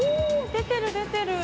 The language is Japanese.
出てる出てる。